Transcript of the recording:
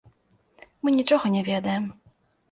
Мы нічога не ведаем.